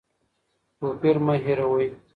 توپیر مه هېروئ.